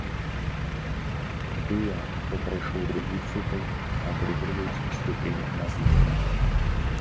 Тыя, хто прайшоў другі цыкл, атрымліваюць ступень магістра.